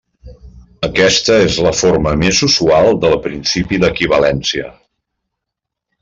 Aquesta és la forma més usual del principi d'equivalència.